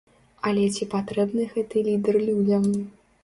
Але ці патрэбны гэты лідэр людзям?